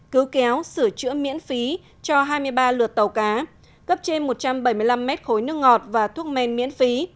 cứu kéo sửa chữa miễn phí cho hai mươi ba lượt tàu cá cấp trên một trăm bảy mươi năm mét khối nước ngọt và thuốc men miễn phí